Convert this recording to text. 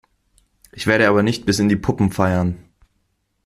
Ich werde aber nicht bis in die Puppen feiern.